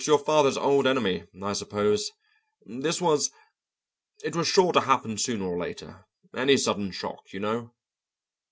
"It's your father's old enemy, I suppose. This was it was sure to happen sooner or later. Any sudden shock, you know."